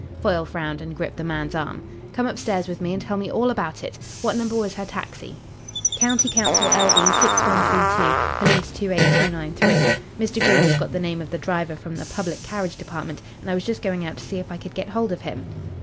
Foyle frowned and gripped the man's arm. "Come upstairs with me and tell me all about it. What number was her taxi?" "County Council LD 6132, police 28,293. Mr. Green has got the name of the driver from the Public Carriage Department, and I was just going out to see if I could get hold of him."